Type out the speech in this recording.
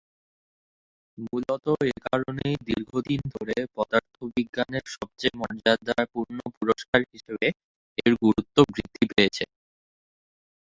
মূলত এ কারণেই দীর্ঘদিন ধরে পদার্থবিজ্ঞানের সবচেয়ে মর্যাদাপূর্ণ পুরস্কার হিসেবে এর গুরুত্ব বৃদ্ধি পেয়েছে।